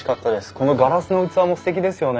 このガラスの器もすてきですよね。